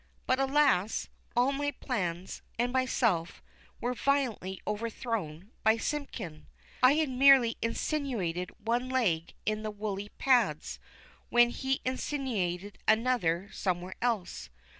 But alas, all my plans and myself were violently overthrown by Simpkin. I had merely insinuated one leg in the woolly pads, when he insinuated another somewhere else.